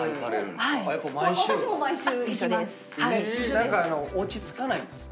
何か落ち着かないんですか？